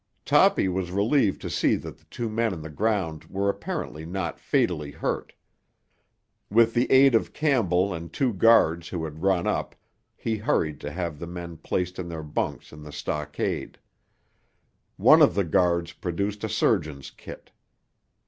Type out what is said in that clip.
Toppy was relieved to see that the two men on the ground were apparently not fatally hurt. With the aid of Campbell and two guards who had run up he hurried to have the men placed in their bunks in the stockade. One of the guards produced a surgeon's kit.